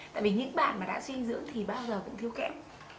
tại vì những bạn mà đã sinh dưỡng thì bao giờ cũng thiêu kẹm